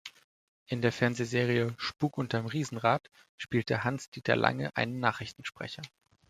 In der Fernsehserie Spuk unterm Riesenrad spielte Hans-Dieter Lange einen Nachrichtensprecher.